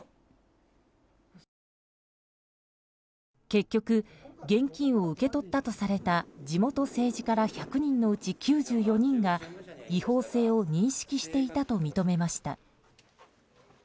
結局、現金を受け取ったとされた地元政治家ら１００人のうち９４人が違法性を認識していたと認めました。